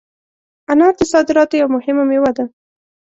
انار د صادراتو یوه مهمه مېوه ده.